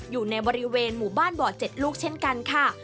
อยู่ในบริเวณหมู่บ้านบ่อ๗ลูกเช่นกันค่ะ